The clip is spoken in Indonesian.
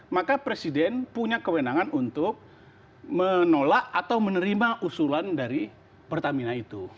maka presiden punya kewenangan untuk menolak atau menerima usulan dari pertamina itu